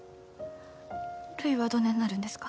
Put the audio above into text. るいはどねんなるんですか？